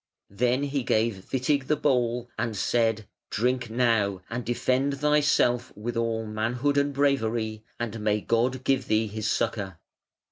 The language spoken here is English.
Then he gave Witig the bowl and said: "Drink now, and then defend thyself with all manhood and bravery, and may God give thee his succour".